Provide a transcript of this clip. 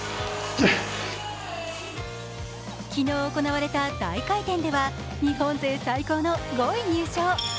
昨日行われた大回転では日本勢最高の５位入賞。